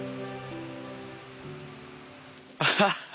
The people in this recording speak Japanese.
ああ！